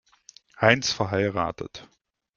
Heinz verheiratet.